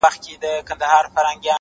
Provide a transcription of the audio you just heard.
ښه دی چي ونه درېد ښه دی چي روان ښه دی!!